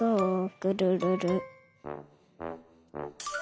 ぐるるる。